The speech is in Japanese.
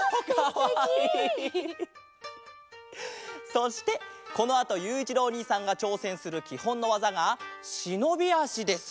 そしてこのあとゆういちろうおにいさんがちょうせんするきほんのわざがしのびあしです。